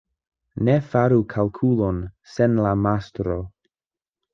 Ne faru kalkulon sen la mastro.